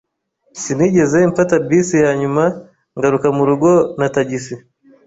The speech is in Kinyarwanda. Sinigeze mfata bisi yanyuma, ngaruka murugo na tagisi.